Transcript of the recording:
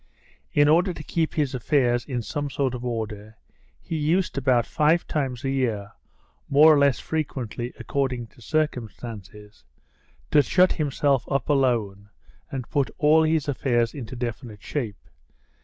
In order to keep his affairs in some sort of order, he used about five times a year (more or less frequently, according to circumstances) to shut himself up alone and put all his affairs into definite shape.